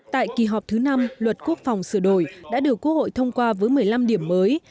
tại kỳ họp thứ năm luật quốc phòng sửa đổi đã được quốc hội thông qua với một mươi năm điểm mới